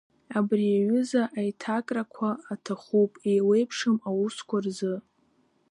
Абри аҩыза аиҭакрақәа аҭахуп еиуеиԥшым аусқәа рзы.